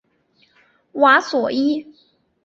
瓦索伊。